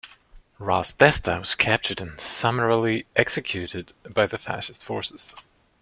Ras Desta was captured and summarily executed by the fascist forces.